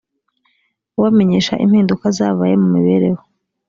ubamenyesha impinduka zabaye mu mibereho